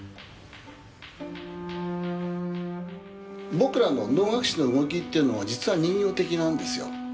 僕らの能楽師の動きっていうのは実は人形的なんですよ。